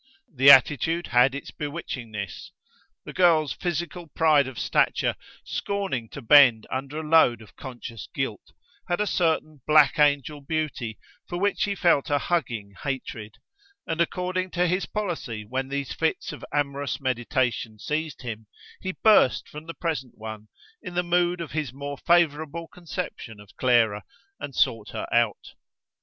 The attitude had its bewitchingness: the girl's physical pride of stature scorning to bend under a load of conscious guilt, had a certain black angel beauty for which he felt a hugging hatred: and according to his policy when these fits of amorous meditation seized him, he burst from the present one in the mood of his more favourable conception of Clara, and sought her out.